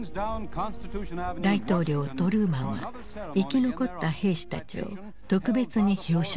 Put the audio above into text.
大統領トルーマンは生き残った兵士たちを特別に表彰した。